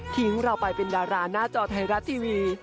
เราไปเป็นดาราหน้าจอไทยรัฐทีวี